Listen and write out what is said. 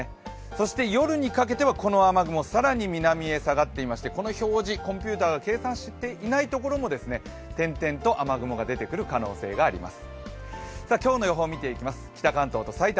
そして夜にかけては、この雨雲更に南に下がってましてこの表示、コンピューターが計算していないところも点々と雨雲が出てくるところがあります